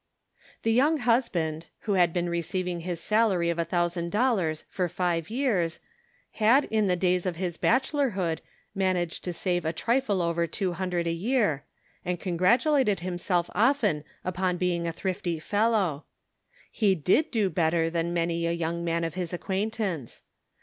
The young husband, who had been receiving his salary of a thousand dollars for five years, had in the days of his bachelorhood managed to save a trifle over two hundred a year, and con gratulated himself often upon being a thrifty fellow. He did do better than many a young man of his acquaintance.